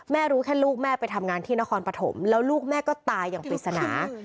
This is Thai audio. รู้แค่ลูกแม่ไปทำงานที่นครปฐมแล้วลูกแม่ก็ตายอย่างปริศนา